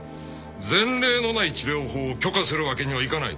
前例のない治療法を許可するわけにはいかない。